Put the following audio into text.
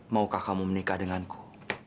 maukah kamu menikah denganku